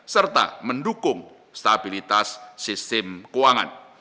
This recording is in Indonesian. serta mendukung stabilitas sistem keuangan